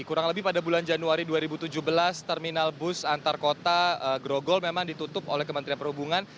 kurang lebih pada bulan januari dua ribu tujuh belas terminal bus antar kota grogol memang ditutup oleh kementerian perhubungan